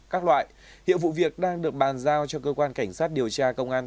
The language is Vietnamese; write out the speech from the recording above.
các loại hiện vụ việc đang được bàn giao cho cơ quan cảnh sát điều tra công an